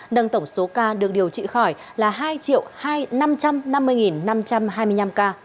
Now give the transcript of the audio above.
nâng tổng số ca được điều trị khỏi là hai năm trăm năm mươi năm trăm hai mươi năm ca